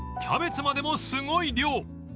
キャベツまでもすごい量］